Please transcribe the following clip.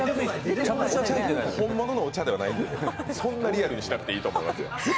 本物のお茶ではないので、そんなにリアルにしなくていいと思います。